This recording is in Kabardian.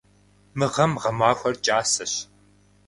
Мы гъэм гъэмахуэр кӏасэщ.